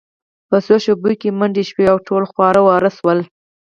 په څو شیبو کې منډې شوې او ټول خواره واره شول